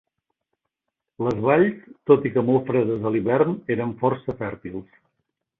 Les valls, tot i que molt fredes a l'hivern, eren força fèrtils.